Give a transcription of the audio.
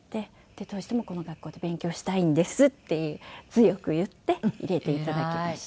どうしてもこの学校で勉強したいんですって強く言って入れていただきました。